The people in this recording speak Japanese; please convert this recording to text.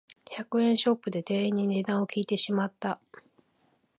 百円ショップで店員に値段を聞いてしまった